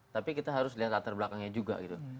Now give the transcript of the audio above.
tapi kita harus lihat latar belakangnya juga gitu